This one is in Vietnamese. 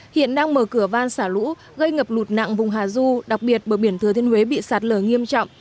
hiện đang mở cửa van xả lũ gây ngập lụt nặng vùng hà du đặc biệt bờ biển thừa thiên huế bị sạt lở nghiêm trọng